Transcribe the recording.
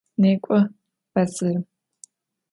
Nêk'o bedzerım!